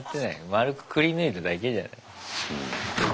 まるくくりぬいただけじゃない。